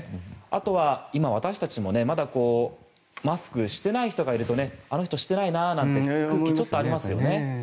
あとは今、私たちもまだマスクしていない人がいるとあの人してないなって空気がちょっとありますよね。